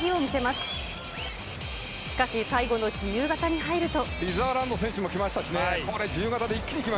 しかし、最後の自由形に入ると。